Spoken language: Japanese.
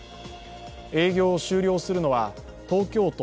営業を終了するのは東京都